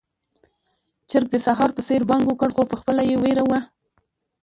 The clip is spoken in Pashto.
چرګ د سهار په څېر بانګ وکړ، خو پخپله يې وېره وه.